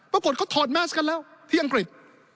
ปื่อกดเขาทดมาสกันแล้วทีอังกฤษ